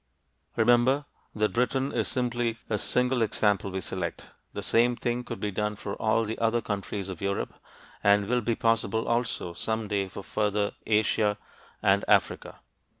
Remember that Britain is simply a single example we select; the same thing could be done for all the other countries of Europe, and will be possible also, some day, for further Asia and Africa.